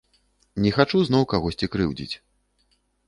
Не хачу зноў кагосьці крыўдзіць.